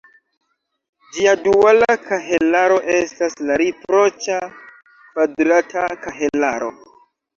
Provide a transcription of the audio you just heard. Ĝia duala kahelaro estas la riproĉa kvadrata kahelaro.